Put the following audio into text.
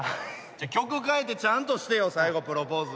曲変えてちゃんとしてよ最後プロポーズ。